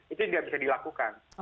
itu tidak bisa dilakukan